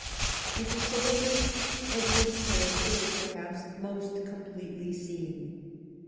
As a soldier Edward's character is perhaps most completely seen.